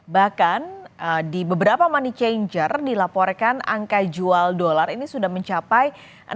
bahkan di beberapa money changer dilaporkan angka jual dolar ini sudah mencapai enam belas dua ratus lima puluh